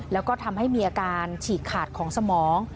แล้วก็ทำให้มีอาการฉีกขาดของสมอง